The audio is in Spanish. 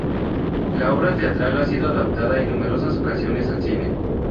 La obra teatral ha sido adaptada en numerosas ocasiones al cine.